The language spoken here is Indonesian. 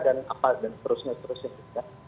dan apa dan seterusnya seterusnya